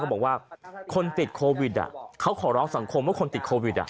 บอกว่าคนติดโควิดเขาขอร้องสังคมว่าคนติดโควิด